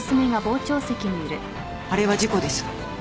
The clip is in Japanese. あれは事故です。